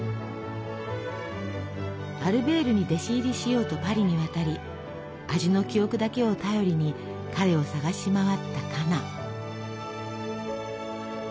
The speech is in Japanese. アルベールに弟子入りしようとパリに渡り味の記憶だけを頼りに彼を捜し回ったカナ。